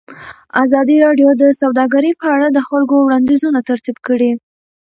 ازادي راډیو د سوداګري په اړه د خلکو وړاندیزونه ترتیب کړي.